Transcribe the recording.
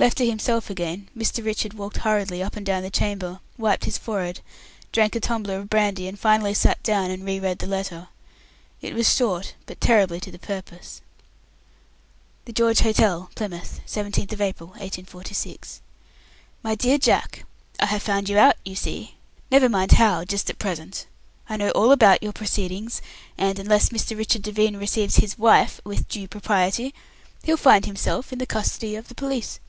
Left to himself again, Mr. Richard walked hurriedly up and down the chamber, wiped his forehead, drank a tumbler of brandy, and finally sat down and re read the letter. It was short, but terribly to the purpose. "THE GEORGE HOTEL, PLYMOUTH," 17th April, 1846. "MY DEAR JACK, "I have found you out, you see. Never mind how just at present. I know all about your proceedings, and unless Mr. Richard Devine receives his "wife" with due propriety, he'll find himself in the custody of the police.